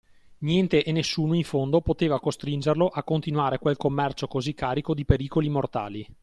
Niente e nessuno in fondo poteva costringerlo a continuare quel commercio così carico di pericoli mortali.